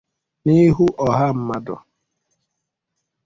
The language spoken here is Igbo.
n'ihu ọha mmadụ.